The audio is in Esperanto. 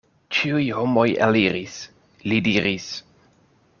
Ĉiuj homoj eliris, li diris.